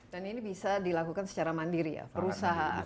dan ini bisa dilakukan secara mandiri ya perusahaan